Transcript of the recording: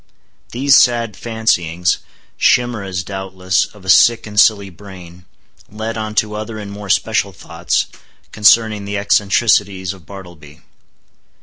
These sad fancyings—chimeras, doubtless, of a sick and silly brain—led on to other and more special thoughts, concerning the eccentricities of Bartleby.